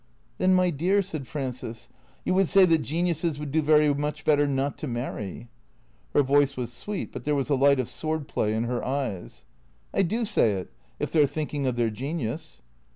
" Then, my dear," said Frances, " you would say that geniuses would do very much better not to marry ?" Her voice was sweet, but there was a light of sword play in her eyes. " I do say it — if they 're thinking of their genius."